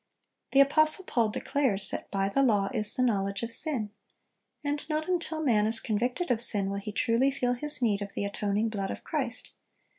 The apostle Paul declares that "by the law is the knowledge of sin;" "and not until man is convicted of sin, will he truly feel his need of the atoning blood of Christ....